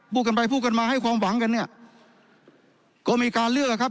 พูดกันไปพูดกันมาให้ความหวังกันเนี่ยก็มีการเลือกครับ